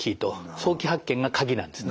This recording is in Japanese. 早期発見が鍵なんですね。